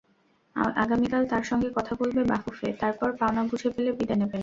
আগামীকাল তাঁর সঙ্গে কথা বলবে বাফুফে, তারপর পাওনা বুঝে পেলে বিদায় নেবেন।